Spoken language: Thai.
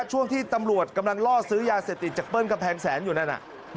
ช่วงที่ตำรวจกำลังล่อซื้อยาเสพติดจากเปิ้ลกำแพงแสนอยู่นั่น